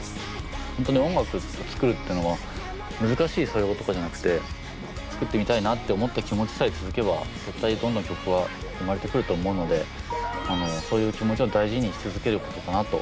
本当に音楽作るっていうのは難しい素養とかじゃなくて作ってみたいなって思った気持ちさえ続けば絶対どんどん曲は生まれてくると思うのでそういう気持ちを大事にし続けることかなと。